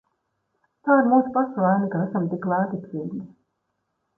Tā ir mūsu pašu vaina, ka esam tik lētticīgi.